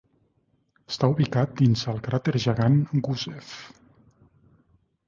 Està ubicat dins del cràter gegant Gusev.